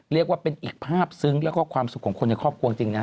เรียกว่าเป็นอีกภาพซึ้งแล้วก็ความสุขของคนในครอบครัวจริงนะ